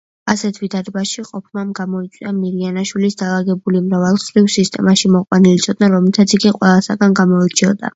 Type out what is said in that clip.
ასეთ ვითარებაში ყოფნამ გამოიწვია მირიანაშვილის დალაგებული, მრავალმხრივი, სისტემაში მოყვანილი ცოდნა, რომლითაც იგი ყველასაგან გამოირჩეოდა.